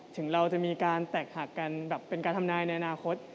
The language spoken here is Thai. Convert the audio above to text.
ถึงเราจะมีการแตกหักกันแบบเป็นการทำนายในอนาคต